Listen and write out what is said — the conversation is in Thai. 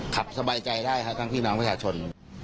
สบายใจได้ครับทั้งพี่น้องประชาชน